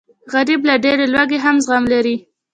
غریب له ډېرې لوږې هم زغم لري